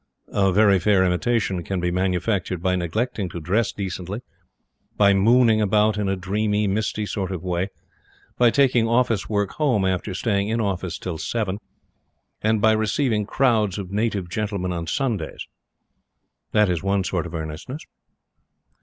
A very fair imitation can be manufactured by neglecting to dress decently, by mooning about in a dreamy, misty sort of way, by taking office work home after staying in office till seven, and by receiving crowds of native gentlemen on Sundays. That is one sort of "earnestness."